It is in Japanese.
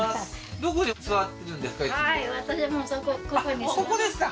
どこに座ってるんですか？